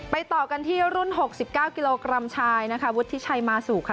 ต่อกันที่รุ่น๖๙กิโลกรัมชายนะคะวุฒิชัยมาสู่ค่ะ